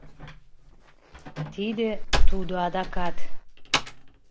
Тиде — тудо адакат.